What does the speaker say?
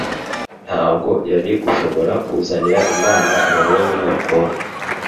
Ntabwo yari gushobora kuzanira Imana abahungu n'abakobwa.